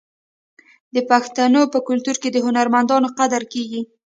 د پښتنو په کلتور کې د هنرمندانو قدر کیږي.